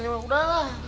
ini mah udah lah